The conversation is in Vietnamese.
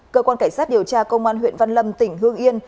cơ quan cảnh sát điều tra công an huyện văn lâm tỉnh hương yên